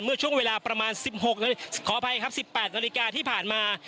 เมื่อช่วงเวลาประมาณ๑๖ขออภัยครับ๑๘นาฬิกาที่ผ่านมา